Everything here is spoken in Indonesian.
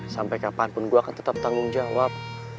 sampai kapanpun gue akan tetap tanggung jawab